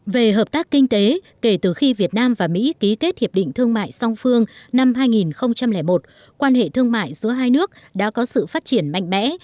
về hợp tác kinh tế kể từ khi việt nam và mỹ ký kết hiệp định thương mại song phương năm hai nghìn một quan hệ thương mại giữa hai nước đã có sự phát triển mạnh mẽ